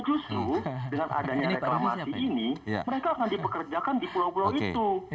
justru dengan adanya reklamasi ini mereka akan dipekerjakan di pulau pulau itu